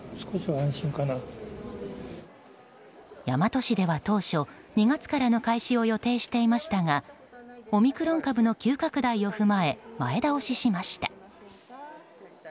大和市では当初２月からの開始を予定していましたがオミクロン株の急拡大を踏まえ前倒ししました。